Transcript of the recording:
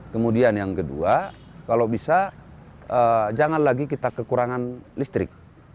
kemudian yang kedua kalau bisa jangan lagi kita kekurangan listrik